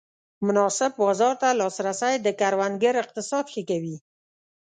مناسب بازار ته لاسرسی د کروندګر اقتصاد ښه کوي.